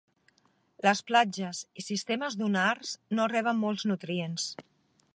Les platges i sistemes dunars no reben molts nutrients.